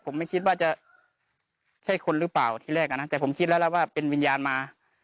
ผมไม่คิดว่าจะใช่คนหรือเปล่าที่แรกอ่ะนะแต่ผมคิดแล้วแล้วว่าเป็นวิญญาณมา